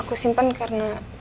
aku simpen karena